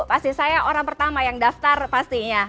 pasti saya orang pertama yang daftar pastinya